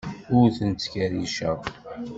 Ur ten-ttkerriceɣ.